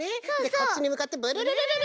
こっちにむかってブルルルル。